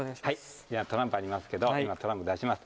トランプありますけど今トランプ出します。